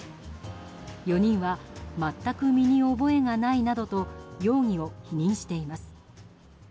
４人は全く身に覚えがないなどと容疑を否認しています。